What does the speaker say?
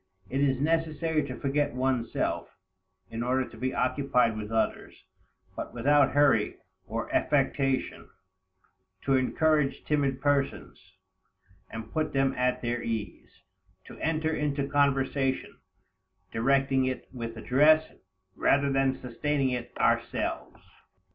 It is necessary to forget one's self, in order to be occupied with others, but without hurry, or affectation; to encourage timid persons, and put them at their ease; to enter into conversation, directing it with address rather than sustaining it ourselves.